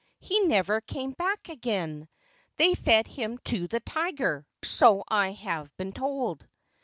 "He never came back again. They fed him to the tiger so I have been told."